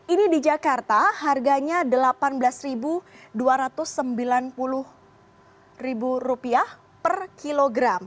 ini di jakarta harganya delapan belas dua ratus sembilan puluh ribu rupiah per kilogram